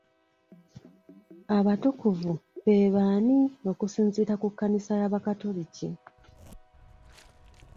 Abatukuvu be baani okusinziira ku kkanisa y'abakatoliki?